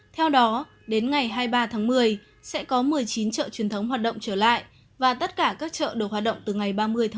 theo đó đến ngày hai mươi ba tháng một mươi sẽ có một mươi chín chợ truyền thống hoạt động trở lại và tất cả các chợ đều hoạt động từ ngày ba mươi tháng một mươi